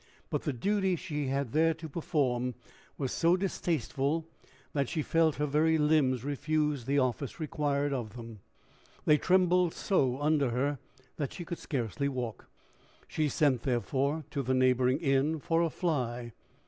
But the duty she had there to perform was so distasteful, that she felt her very limbs refuse the office required of them. They trembled so under her that she could scarcely walk. She sent, therefore, to the neighboring inn for a fly.